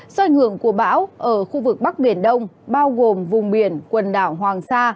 do ảnh hưởng của bão ở khu vực bắc biển đông bao gồm vùng biển quần đảo hoàng sa